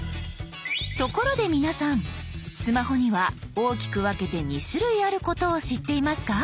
ところで皆さんスマホには大きく分けて２種類あることを知っていますか？